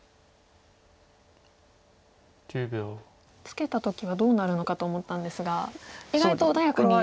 ツケた時はどうなるのかと思ったんですが意外と穏やかに。